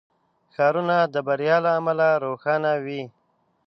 • ښارونه د برېښنا له امله روښانه وي.